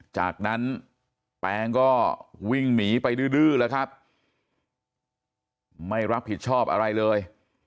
จากนั้นแปงก็วิ่งหนีไปดื้อแล้วครับไม่รับผิดชอบอะไรเลย